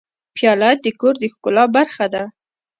پیاله د کور د ښکلا برخه ده.